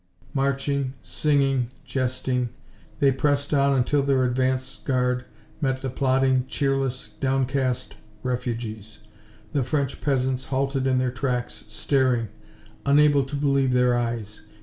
Marching, singing, jesting, they pressed on until their advance guard met the plodding, cheerless, downcast refugees. The French peasants halted in their tracks, staring, unable to believe their eyes.